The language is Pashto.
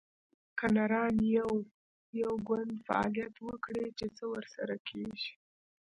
که نران یو، یو ګوند دې فعالیت وکړي؟ چې څه ورسره کیږي